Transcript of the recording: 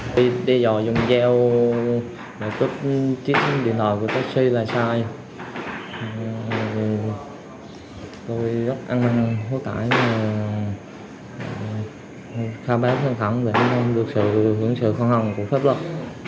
tôi đi dò dùng dao để cướp chiếc điện thoại của taxi là sai tôi rất ăn măng hối tải và khá bác sân khẳng để không được sự hưởng sự khóa hồng của phép luật